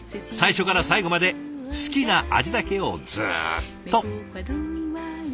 最初から最後まで好きな味だけをずっと。